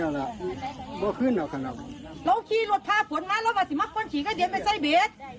เราขี้รถภาพฝนมาแล้วว่าสิมักควรขี้ก็เดินไปใส่เบส